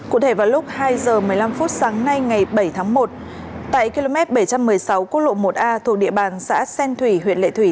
cụ thể vào lúc hai giờ một mươi năm phút sáng nay ngày bảy tháng một tại km bảy trăm một mươi sáu quốc lộ một a thuộc địa bàn xã sen thủy huyện lệ thủy